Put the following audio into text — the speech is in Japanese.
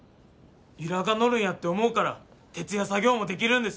由良が乗るんやって思うから徹夜作業もできるんですよ。